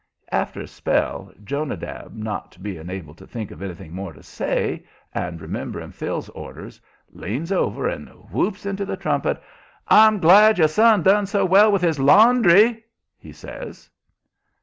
After a spell, Jonadab not being able to think of anything more to say, and remembering Phil's orders, leans over and whoops into the trumpet. "I'm real glad your son done so well with his laundry," he says.